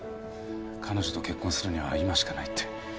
彼女と結婚するには今しかないって。